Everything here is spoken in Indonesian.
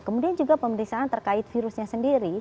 kemudian juga pemeriksaan terkait virusnya sendiri